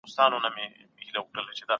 هغه یو لوی نظریه ورکوونکی او فیلسوف و.